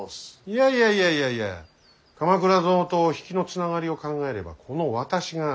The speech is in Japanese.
いやいやいやいやいや鎌倉殿と比企の繋がりを考えればこの私が。